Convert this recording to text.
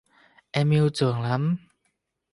Em yêu trường lắm